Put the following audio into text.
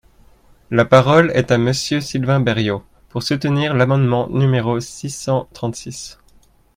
La parole est à Monsieur Sylvain Berrios, pour soutenir l’amendement numéro six cent trente-six.